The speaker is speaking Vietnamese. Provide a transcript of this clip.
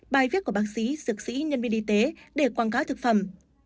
bài viết của bác sĩ dược sĩ nhân viên y tế để quảng cáo thực phẩm